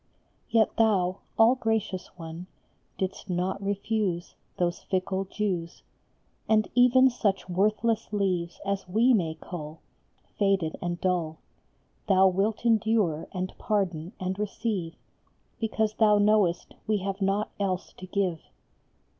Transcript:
PALM SUNDAY. 241 Yet thou, all gracious One, didst not refuse Those fickle Jews ; And even such worthless leaves as we may cull, Faded and dull, Thou wilt endure and pardon and receive, Because thou knovvest we have naught else to give.